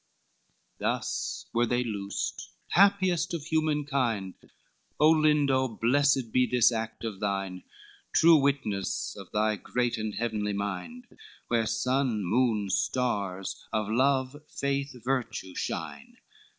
LIII Thus were they loosed, happiest of humankind, Olindo, blessed be this act of thine, True witness of thy great and heavenly mind, Where sun, moon, stars, of love, faith, virtue, shine.